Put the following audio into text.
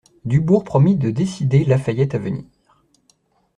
Dubourg promit de décider Lafayette à venir.